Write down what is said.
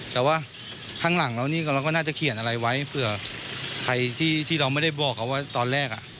แต่ว่าข้างหลังเรานี่เราก็น่าจะเขียนอะไรไว้เผื่อใครที่เราไม่ได้บอกเขาว่าตอนแรกอ่ะ